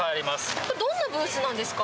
どんなブースなんですか？